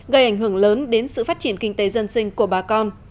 gây ảnh hưởng lớn đến sự phát triển kinh tế dân sinh của bà con